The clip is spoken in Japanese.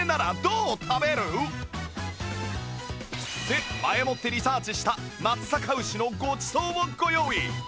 で前もってリサーチした松阪牛のごちそうをご用意！